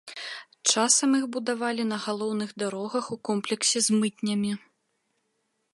Часам іх будавалі на галоўных дарогах у комплексе з мытнямі.